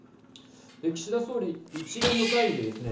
岸田総理、一連の会議でですね